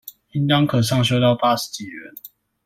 應當可上修到八十幾人